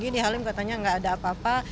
di halim katanya nggak ada apa apa